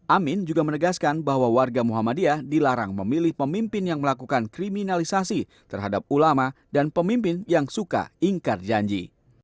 amin juga menegaskan bahwa warga muhammadiyah dilarang memilih pemimpin yang melakukan kriminalisasi terhadap ulama dan pemimpin yang suka ingkar janji